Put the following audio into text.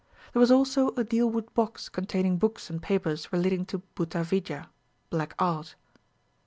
There was also a dealwood box containing books and papers relating to bhuta vidya (black art).